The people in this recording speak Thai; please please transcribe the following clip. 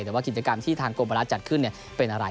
แต่ว่ากิจกรรมที่ทางกรมราชจัดขึ้นเป็นอะไร